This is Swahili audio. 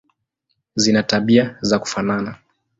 Zina tabia za kufanana.